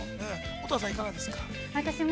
乙葉さん、いかがですか。